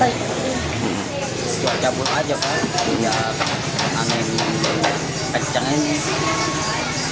cukup campur aja punya angin kencang ini